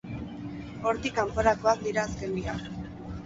Hortik kanporakoak dira azken biak.